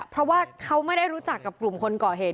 เพราะว่าเขาไม่ได้รู้จักกับกลุ่มคนก่อเหตุ